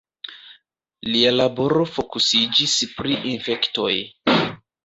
Lia laboro fokusiĝis pri infektoj.